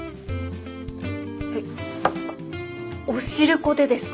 お汁粉でですか？